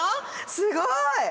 すごい！